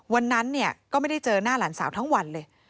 วันนั้นเนี่ยก็ไม่ได้เจอหน้าหลานสาวทั้งวันเลย